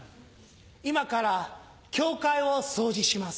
今から教会を掃除します。